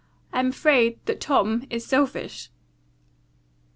I am afraid that Tom is selfish."